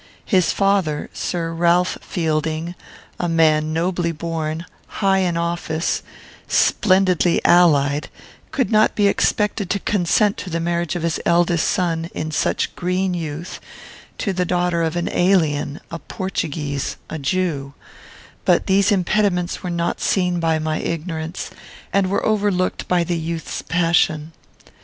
His father, Sir Ralph Fielding, a man nobly born, high in office, splendidly allied, could not be expected to consent to the marriage of his eldest son, in such green youth, to the daughter of an alien, a Portuguese, a Jew; but these impediments were not seen by my ignorance, and were overlooked by the youth's passion.